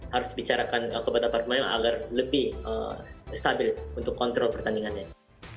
harus dibicarakan kepada para pemain agar lebih stabil untuk kontrol pertandingannya